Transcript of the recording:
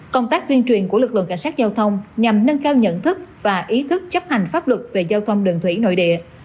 công tác tuyên truyền của lực lượng cảnh sát giao thông nhằm nâng cao nhận thức và ý thức chấp hành pháp luật về giao thông đường thủy nội địa